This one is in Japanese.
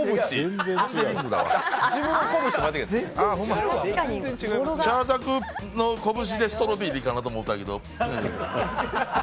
シャアザクのこぶしでストロベリーかなと思ったけど。